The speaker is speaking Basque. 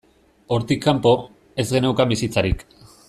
Hortik kanpo, ez geneukan bizitzarik.